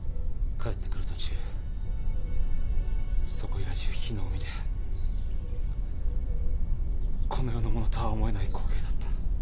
帰ってくる途中そこいら中火の海でこの世のものとは思えない光景だった。